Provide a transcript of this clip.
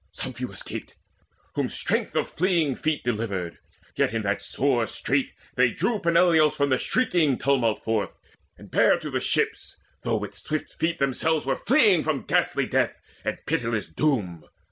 Some few escaped, whom strength of fleeing feet Delivered. Yet in that sore strait they drew Peneleos from the shrieking tumult forth, And bare to the ships, though with swift feet themselves Were fleeing from ghastly death, from pitiless doom.